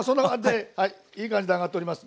はいいい感じに揚がっております。